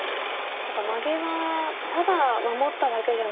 マゲはただ守っただけじゃなくて。